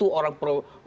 untuk member preis